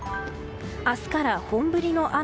明日から本降りの雨。